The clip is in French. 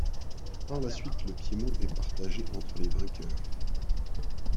Par la suite le Piémont est partagé entre les vainqueurs.